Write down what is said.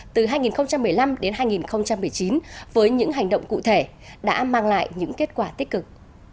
từ hai nghìn một mươi năm đến hai nghìn một mươi chín với những hành động cụ thể đã mang lại những kết quả tích cực